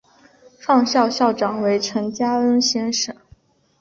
创校校长为陈加恩先生。